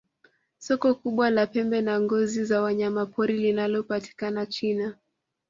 soko kubwa la pembe na ngozi za wanyamapori linalopatikana china